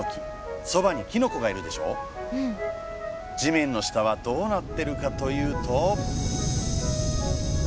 地面の下はどうなってるかというと。